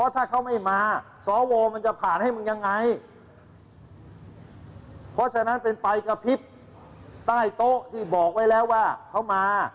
ที่บอกไว้แล้วว่าเขามา